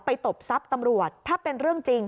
ตบทรัพย์ตำรวจถ้าเป็นเรื่องจริง